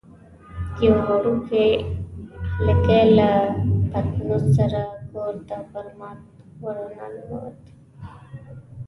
یو وړوکی هلکی له پتنوس سره کور ته پر مات وره راننوت.